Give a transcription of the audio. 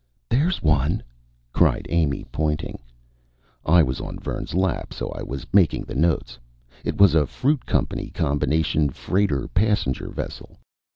"There's one," cried Amy, pointing. I was on Vern's lap, so I was making the notes. It was a Fruit Company combination freighter passenger vessel.